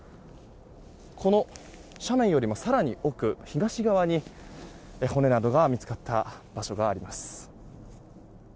この斜面よりも更に奥東側に骨などが見つかった場所があります。